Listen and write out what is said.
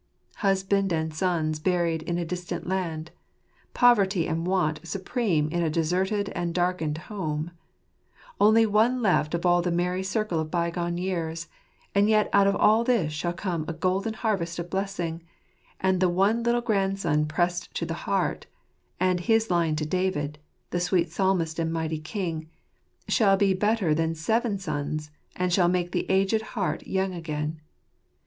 Husband and sons buried in a distant land ; poverty and want supreme in a deserted and darkened home; only one left of all the merry circle of bygone years : and yet out of all this shall come a golden harvest of blessing ; and the one little grandson pressed to the heart, and his line to David, the sweet Psalmist and mighty king, shall be better than seven sons, and shall make the aged heart young again.